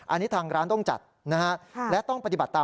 อันนี้ทางร้านต้องจัดนะฮะและต้องปฏิบัติตาม